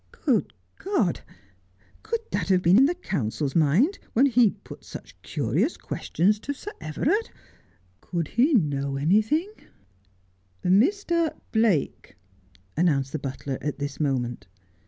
Good CS od ! could that have been in the counsel's mind when he put such curious questions to Sir Everard — could he know anything '' Mr. Blake,' announced the butler at this moment.